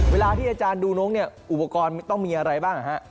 เวลาที่อาจารย์ดูนกอุปกรณ์ต้องมีอะไรบ้างครับ